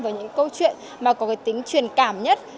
vào những câu chuyện mà có cái tính truyền cảm nhất